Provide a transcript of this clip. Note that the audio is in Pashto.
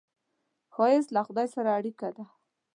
ښایست له خدای سره اړیکه ده